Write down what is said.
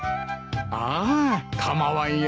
ああ構わんよ。